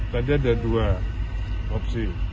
tadi ada dua opsi